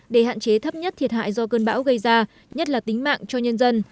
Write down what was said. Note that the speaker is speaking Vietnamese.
để hạn chế thấp nhất thiệt hại do cơn bão gây ra nhất là tính mạng cho nhân dân